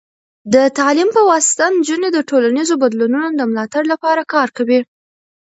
د تعلیم په واسطه، نجونې د ټولنیزو بدلونونو د ملاتړ لپاره کار کوي.